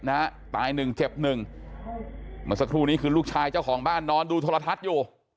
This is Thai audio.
อ๋อมาสักครู่นี้คือลูกชายเจ้าของบ้านนอนดูทะเลาะฮัดอยู๋